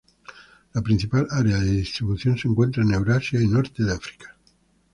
La principal área de distribución se encuentra en Eurasia y norte de África.